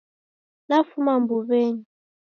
Nafuma mbuw'enyi